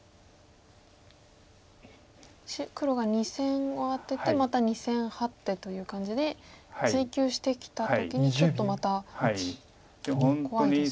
黒が２線をアテてまた２線ハッてという感じで追及してきた時にちょっとまた怖いですか。